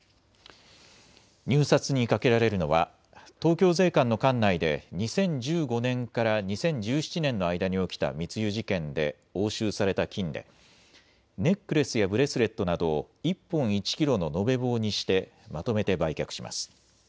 入札にかけられるのは東京税関の管内で２０１５年から２０１７年の間に起きた密輸事件で押収された金でネックレスやブレスレットなどを１本１キロの延べ棒にしてまとめて売却します。